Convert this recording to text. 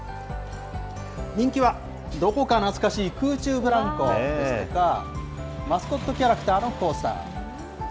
人気は、どこか懐かしい空中ブランコですとか、マスコットキャラクターのコースター。